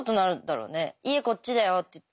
「家こっちだよ」って言って。